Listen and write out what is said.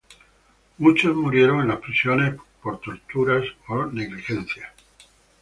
Muchos murieron en las prisiones por tortura o negligencia.